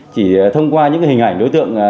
chỉ thông qua những hình ảnh đối tượng